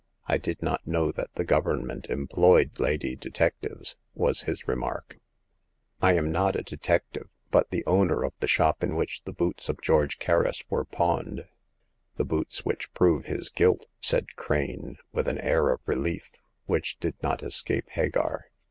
"I did not know that the Government employed lady detectives !" w»3 bis remark. 214 Hagar of the Pawn Shop. " I am not a detective, but the owner of the shop in which the boots of George Kerris were pawned." " The boots which prove his guilt," said Crane, with an air of reUef, which did not escape Hagar.